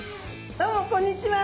どうもこんにちは。